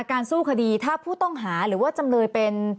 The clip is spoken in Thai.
สู้คดีถ้าผู้ต้องหาหรือว่าจำเลยเป็น